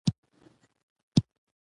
مارغان څنګه الوتنې کوی